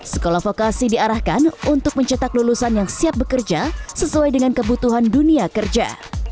sekolah vokasi diarahkan untuk mencetak lulusan yang siap bekerja sesuai dengan kebutuhan dunia kerja